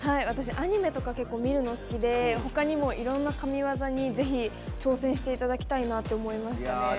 私、アニメとか見るの好きでほかにもいろんな神ワザにぜひ挑戦していただきたいなって思いますね。